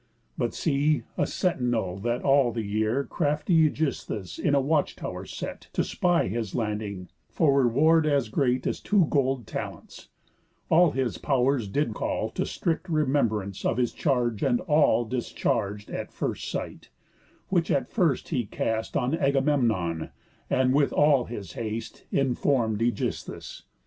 But see, a sentinel that all the year Crafty Ægisthus in a watchtow'r set To spy his landing, for reward as great As two gold talents, all his pow'rs did call To strict remembrance of his charge, and all Discharg'd at first sight, which at first he cast On Agamemnon, and with all his haste Inform'd Ægisthus.